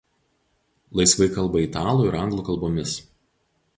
Laisvai kalba italų ir anglų kalbomis.